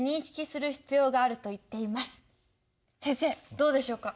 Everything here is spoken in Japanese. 先生どうでしょうか？